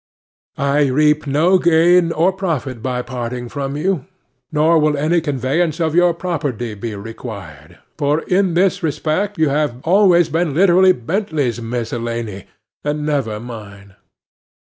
I reap no gain or profit by parting from you, nor will any conveyance of your property be required, for, in this respect, you have always been literally 'Bentley's' Miscellany, and never mine.